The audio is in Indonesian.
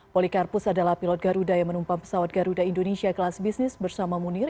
polikarpus adalah pilot garuda yang menumpang pesawat garuda indonesia kelas bisnis bersama munir